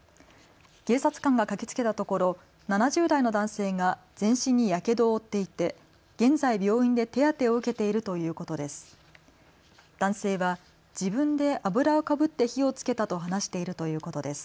警察官が駆けつけたところ７０代の男性が全身にやけどを負っていて現在、病院で手当てを受けているということです。